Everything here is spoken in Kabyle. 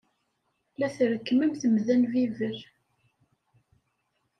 La trekkem am temda n bibel.